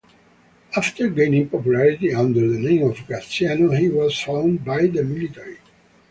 After gaining popularity under the name of Graziano, he was found by the military.